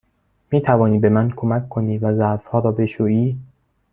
می توانی به من کمک کنی و ظرف ها را بشویی؟